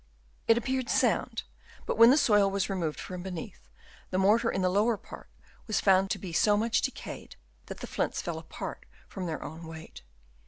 It appeared sound, but when the soil was removed from beneath, the mortar in the lower part was found to be so much decayed that the flints fell apart from their own weight.